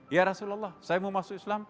ya rasulullah saya mau masuk islam